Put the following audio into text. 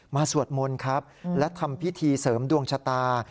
สวดมนต์ครับและทำพิธีเสริมดวงชะตา